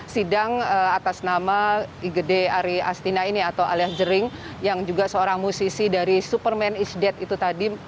sidang atas nama igd aryastina ini atau alias dering yang juga seorang musisi dari superman is dead itu tadi